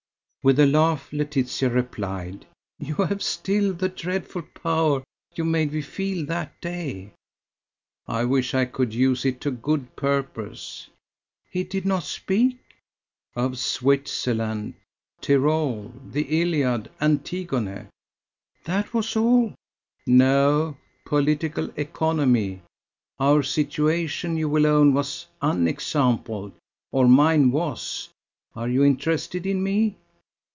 With a laugh, Laetitia replied: "You have still the 'dreadful power' you made me feel that day." "I wish I could use it to good purpose!" "He did not speak?" "Of Switzerland, Tyrol, the Iliad, Antigone." "That was all?" "No, Political Economy. Our situation, you will own, was unexampled: or mine was. Are you interested in me?"